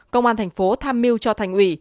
công an thành phố tham mưu cho thành ủy